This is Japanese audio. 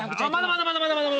まだまだまだまだ！